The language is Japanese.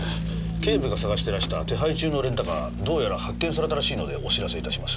警部が捜してらした手配中のレンタカーどうやら発見されたらしいのでお知らせいたします。